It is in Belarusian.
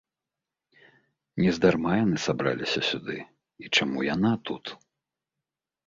Нездарма яны сабраліся сюды, і чаму яна тут?